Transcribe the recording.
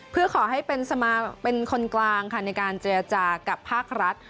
เพื่อขอให้เป็นคนกลางค่ะในการเจรจากับภาครัฐ